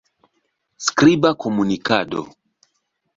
Skriba komunikado.